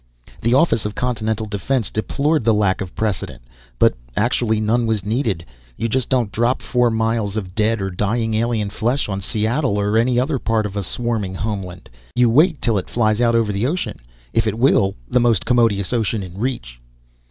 The Office of Continental Defense deplored the lack of precedent. But actually none was needed. You just don't drop four miles of dead or dying alien flesh on Seattle or any other part of a swarming homeland. You wait till it flies out over the ocean, if it will the most commodious ocean in reach.